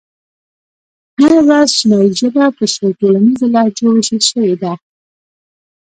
نن ورځ چینایي ژبه په څو ټولنیزو لهجو وېشل شوې ده.